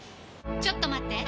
ちょっと待って！